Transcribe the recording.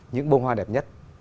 những bông hoa đẹp nhất